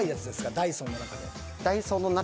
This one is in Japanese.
「ダイソン」の中で。